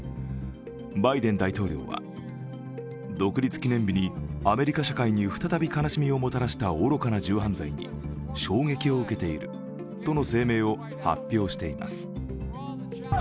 バイデン大統領は独立記念日にアメリカ社会に再び悲しみをもたらした愚かな銃犯罪に衝撃を受けているとの声明を発表しています。